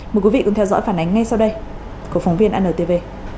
mời quý vị cùng theo dõi phản ánh ngay sau đây của phóng viên antv